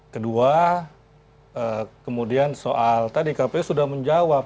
kedua kemudian soal tadi kpu sudah menjawab